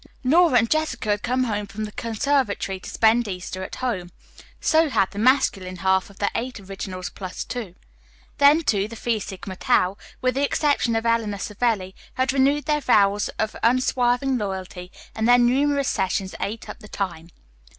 Nora and Jessica had come from the conservatory to spend Easter at home, so had the masculine half of the "Eight Originals Plus Two." Then, too, the Phi Sigma Tau, with the exception of Eleanor Savelli, had renewed their vows of unswerving loyalty, and their numerous sessions ate up the time.